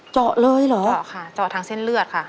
เจาะเลยเหรอเจาะค่ะเจาะทางเส้นเลือดค่ะ